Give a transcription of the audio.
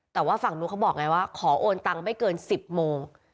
แต่ว่าฝั่งนู้นเขาบอกไงว่าขอโอนตังไม่เกิน๑๐โมง